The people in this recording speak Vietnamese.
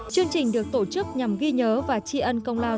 chương trình được tổ chức nhằm ghi nhớ và tri ân công lao